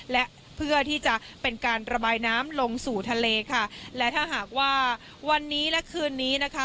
และเพื่อที่จะเป็นการระบายน้ำลงสู่ทะเลค่ะและถ้าหากว่าวันนี้และคืนนี้นะคะ